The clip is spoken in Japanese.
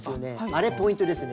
あれポイントですね。